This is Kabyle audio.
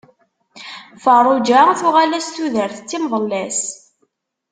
Ferruǧa tuɣal-as tudert d timḍellas.